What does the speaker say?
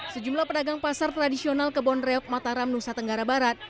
sejumlah pedagang pasar tradisional kebon reok mataram nusa tenggara barat